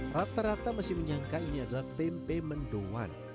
rata rata masih menyangka ini adalah tempe mendoan